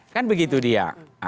kan begitu dia